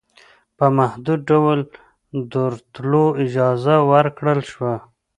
په محدود ډول دورتلو اجازه ورکړل شوه